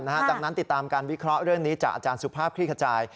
ดังนั้นติดตามการวิเคราะห์เรื่องนี้จากอาจารย์สุภาพคลี่ขจาย